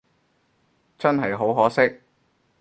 真係好可惜